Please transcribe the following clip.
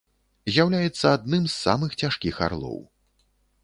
З'яўляецца адным з самых цяжкіх арлоў.